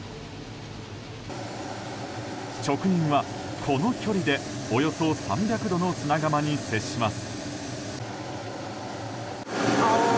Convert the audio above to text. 職人はこの距離でおよそ３００度の砂窯に接します。